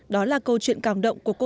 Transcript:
đó là câu chuyện càng động của cô giáo